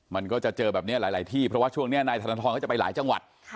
มันก็จะเจอแบบนี้หลายที่เพราะว่าช่วงนี้นายธนทรก็จะไปหลายจังหวัด